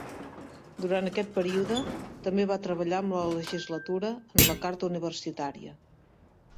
Durant aquest període, també va treballar amb la legislatura en la carta universitària.